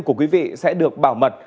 của quý vị sẽ được bảo mật